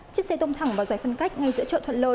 chiếc xe tông thẳng vào giải phân cách ngay giữa chợ thuận lợi